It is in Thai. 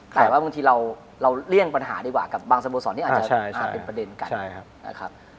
แต่ว่าบางทีเราเลี่ยงปัญหาดีกว่ากับบางสโมสรที่อาจจะมาเป็นประเด็นกันนะครับ